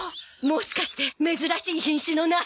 もしかして珍しい品種の梨？